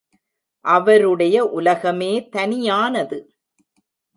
அவருடைய உலகமே தனியானது.